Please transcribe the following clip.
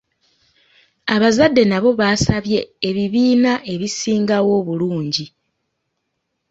Abazadde nabo baasabye ebibiina ebisingawo obulungi.